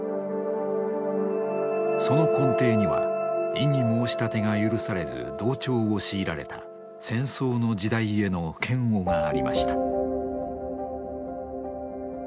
その根底には異議申し立てが許されず同調を強いられた戦争の時代への嫌悪がありました。